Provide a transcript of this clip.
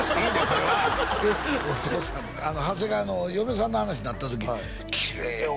それはお父さん長谷川の嫁さんの話になった時「きれいよ」